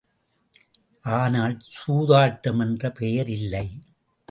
ஆனால் சூதாட்டம் என்ற பெயர் இல்லை!